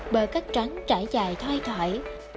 bờ cắt trắng trải dài thoai thoải